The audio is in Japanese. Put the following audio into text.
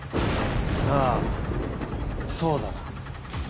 ああそうだな。